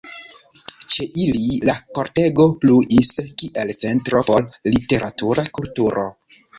Ĉe ili la kortego pluis kiel centro por literatura kulturo.